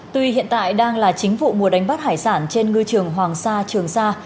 tuy hiện tại đang là chính vụ mùa đánh bắt hải sản trên ngư trường hoàng sa trường sa